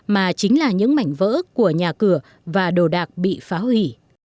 mà chính là những mảnh vỡ của nhà cửa và đồ đạc bị phá hủy